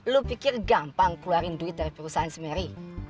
lo pikir gampang keluarin duit dari perusahaan smeri